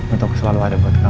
untuk selalu ada buat kamu